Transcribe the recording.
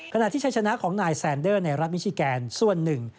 ขณะที่ชัยชนะของนายแซนเดอร์ในรัฐมิชิแกนส่วนหนึ่ง